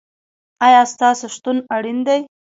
ایا ستاسو شتون اړین دی؟